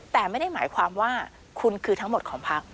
แต่ไม่ได้หมายความว่าคุณคือทั้งหมดของพัก